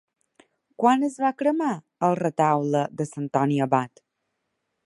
Quan es va cremar el Retaule de Sant Antoni Abat?